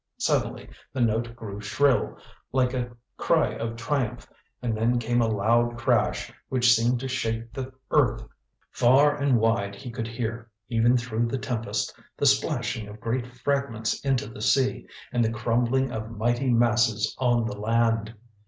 Suddenly the note grew shrill, like a cry of triumph, and then came a loud crash, which seemed to shake the earth. Far and wide he could hear, even through the tempest, the splashing of great fragments into the sea, and the crumbling of mighty masses on the land.